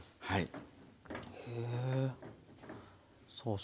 はい。